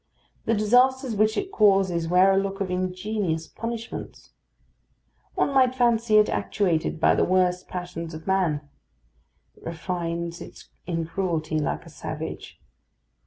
The disasters which it causes wear a look of ingenious punishments. One might fancy it actuated by the worst passions of man. It refines in cruelty like a savage.